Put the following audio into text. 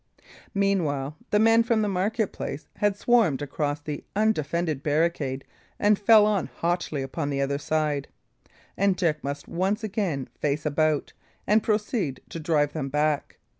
Meanwhile the men from the market place had swarmed across the undefended barricade, and fell on hotly upon the other side; and Dick must once again face about, and proceed to drive them back.